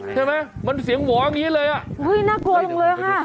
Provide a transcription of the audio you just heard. ใช่ไหมมันเสียงหวออย่างนี้เลยอ่ะอุ้ยน่ากลัวจังเลยค่ะ